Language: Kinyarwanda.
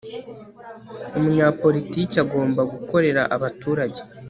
umunyapolitiki agomba gukorera abaturage